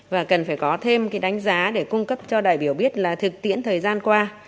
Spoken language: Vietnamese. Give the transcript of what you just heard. và cần phải có thêm cái đánh giá để cung cấp cho đại biểu biết là thực tiễn thời gian qua